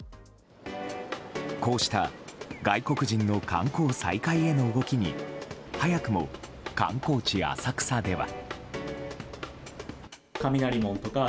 こうした外国人の観光再開への動きに早くも観光地・浅草では。